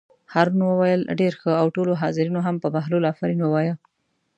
هارون وویل: ډېر ښه او ټولو حاضرینو هم په بهلول آفرین ووایه.